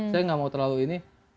saya nggak mau terlalu ini